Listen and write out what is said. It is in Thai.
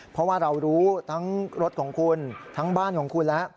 เพราะว่าเรารู้ทั้งรถของคุณทั้งบ้านของคุณแล้ว